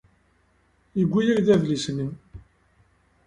Yewwi-yak-d adlis-nni.